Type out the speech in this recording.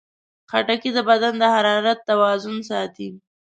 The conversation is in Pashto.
خټکی د بدن د حرارت توازن ساتي.